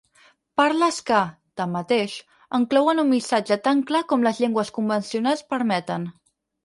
Parles que, tanmateix, enclouen un missatge tan clar com les llengües convencionals permeten.